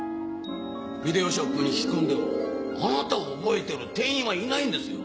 ビデオショップに訊き込んでもあなたを覚えてる店員はいないんですよ。